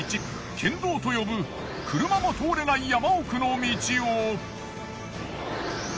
険道と呼ぶ車も通れない山奥の道を。